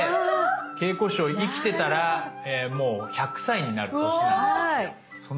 桂子師匠生きてたらもう１００歳になる年なんですよ。